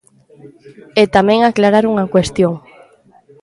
E tamén aclarar unha cuestión.